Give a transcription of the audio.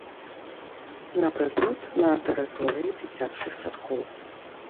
Напрыклад, на тэрыторыі дзіцячых садкоў.